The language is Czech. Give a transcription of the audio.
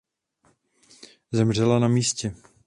Zemřela na místě.